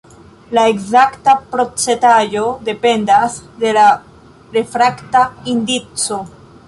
La ekzakta procentaĵo dependas de la refrakta indico.